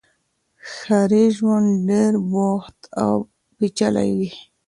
ښاري ژوند ډېر بوخت او پېچلی وي.